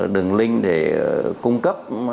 đường link để cung cấp